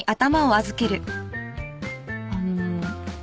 あの。